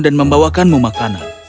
dan membawakanmu makanan